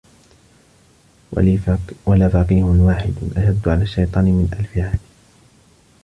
وَلَفَقِيهٌ وَاحِدٌ أَشَدُّ عَلَى الشَّيْطَانِ مِنْ أَلْفِ عَابِدٍ